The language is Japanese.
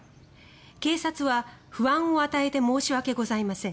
警察は不安を与えて申し訳ございません